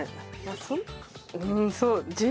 うーんそう。